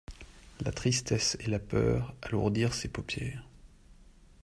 La tristesse et la peur alourdirent ses paupières.